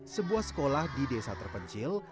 sebuah sekolah di desa terpencil